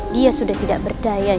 dia sudah tidak berdaya